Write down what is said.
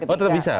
oh tetap bisa